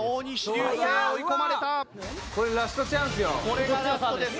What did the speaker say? これがラストです。